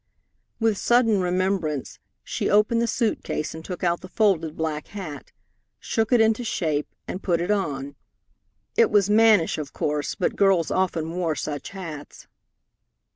With sudden remembrance, she opened the suit case and took out the folded black hat, shook it into shape, and put it on. It was mannish, of course, but girls often wore such hats.